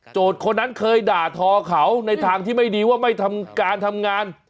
คนนั้นเคยด่าทอเขาในทางที่ไม่ดีว่าไม่ทำการทำงาน